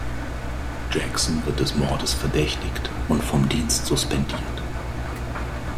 Jackson wird des Mordes verdächtigt und vom Dienst suspendiert.